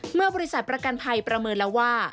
เมื่อบริษัทประกันภัยประเมินแล้วว่า